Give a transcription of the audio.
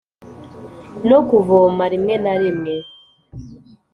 no kuvoma rimwe na rimwe.